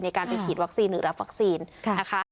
ในการไปฉีดวัคซีนหรือรับวัคซีนนะคะ